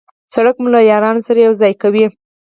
سړک مو له یارانو سره یو ځای کوي.